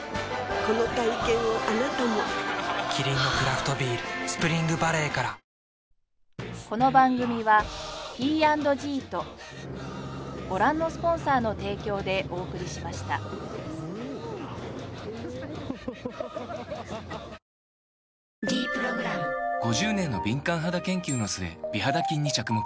この体験をあなたもキリンのクラフトビール「スプリングバレー」から「ｄプログラム」５０年の敏感肌研究の末美肌菌に着目